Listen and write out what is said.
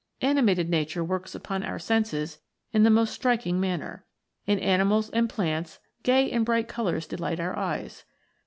Animated Nature works upon our senses in the most striking manner. In animals and plants gay and bright colours delight our eyes.